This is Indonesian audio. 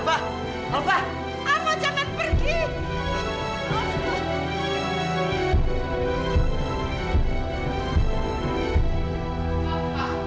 alva jangan pergi